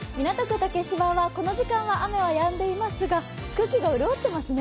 竹芝はこの時間は雨がやんでいますが空気が潤ってますね。